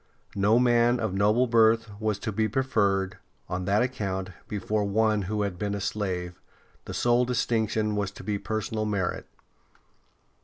No man of noble birth was to be preferred, on that account, before one who had been a slave; the sole distinction was to be personal merit.